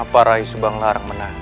dia itu seorang brookland